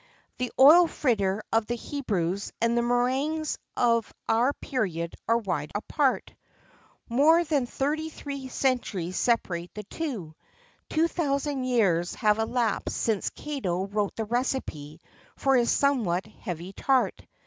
The oil fritter of the Hebrews and the meringues of our period are wide apart: more than thirty three centuries separate the two; two thousand years have elapsed since Cato wrote the recipe for his somewhat heavy tart.